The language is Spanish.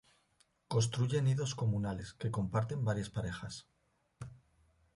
Construye nidos comunales, que comparten varias parejas.